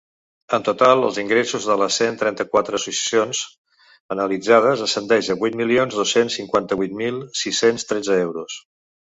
En total, els ingressos de les cent trenta-quatre associacions analitzades ascendeixen a vuit milions dos-cents cinquanta-vuit mil sis-cents tretze d’euros.